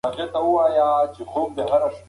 ایا انلاین زده کړه ستا استعداد لوړوي؟